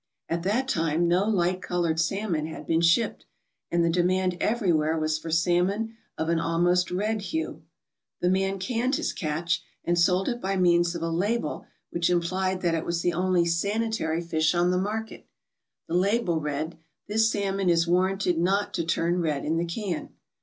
At that time no light coloured salmon had been shipped, and the demand everywhere was for salmon of an almost red hue. The man canned his catch and sold it by means of a label which implied that it was the only sanitary fish on the market. The label read: "This salmon is warranted not to turn red in the can."